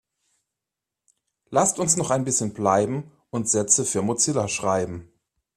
Lasst uns noch ein bisschen bleiben und Sätze für Mozilla schreiben.